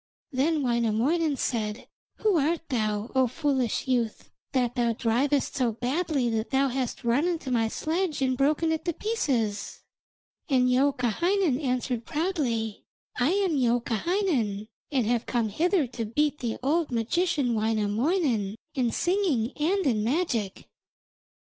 Then Wainamoinen said: 'Who art thou, O foolish youth, that thou drivest so badly that thou hast run into my sledge and broken it to pieces?' And Youkahainen answered proudly: 'I am Youkahainen, and have come hither to beat the old magician Wainamoinen in singing and in magic.'